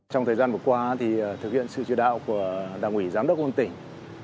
trong thời gian vừa qua thì thực hiện sự triệt đạo của đảng ủy giám đốc công an tỉnh